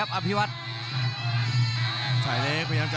และอัพพิวัตรสอสมนึก